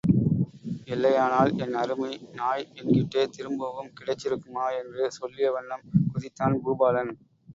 இல்லையானால் என் அருமை நாய் என்கிட்டே திரும்பவும் கிடைச்சிருக்குமா? என்று சொல்லிய வண்ணம் குதித்தான் பூபாலன்.